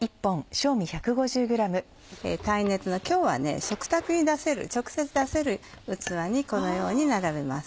耐熱の今日は食卓に出せる直接出せる器にこのように並べます。